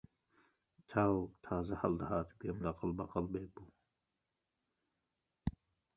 تاو تازە هەڵدەهات گوێم لە غەڵبەغەڵبێک بوو